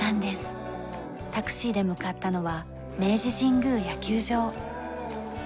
タクシーで向かったのは明治神宮野球場。